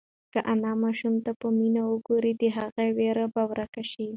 که انا ماشوم ته په مینه وگوري، د هغه وېره به ورکه شي.